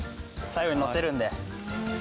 最後にのせるんで。